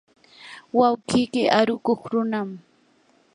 wawqiyki arukuq runam.